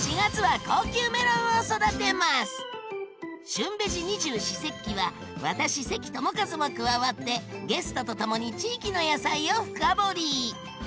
「旬ベジ二十四節気」は私関智一も加わってゲストとともに地域の野菜を深掘り！